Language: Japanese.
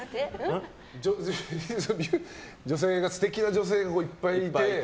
素敵な女性がいっぱいいて。